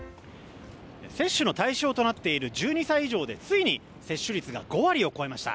接種の対象となっている１２歳以上でついに接種率が５割を超えました。